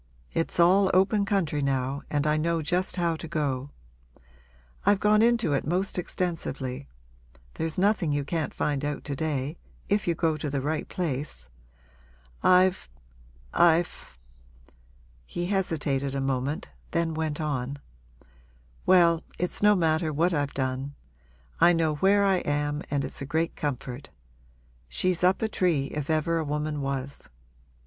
It's all open country now and I know just how to go. I've gone into it most extensively; there's nothing you can't find out to day if you go to the right place. I've I've ' He hesitated a moment, then went on: 'Well, it's no matter what I've done. I know where I am and it's a great comfort. She's up a tree, if ever a woman was.